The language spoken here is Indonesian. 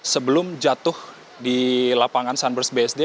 sebelum jatuh di lapangan sunburst bsd